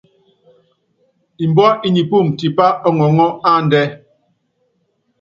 Mbúá i nipúum tipá ɔŋɔŋɔ́ áandɛ́.